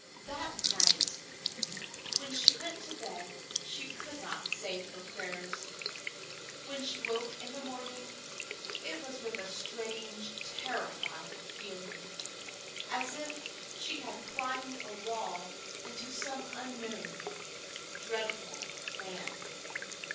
That night when she went to bed she could not say her prayers. When she woke in the morning it was with a strange, terrified feeling, as if she had climbed a wall into some unknown dreadful land.